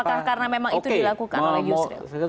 apakah karena memang itu dilakukan oleh yusril